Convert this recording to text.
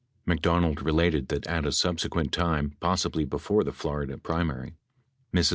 McDonald related that at a subsequent time, possibly 'before the Florida primary, Mi's.